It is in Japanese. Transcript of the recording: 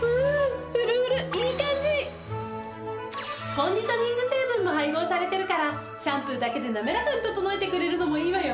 コンディショニング成分も配合されてるからシャンプーだけで滑らかに整えてくれるのもいいわよ！